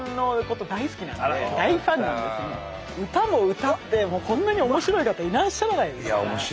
歌も歌ってこんなに面白い方いらっしゃらないですから。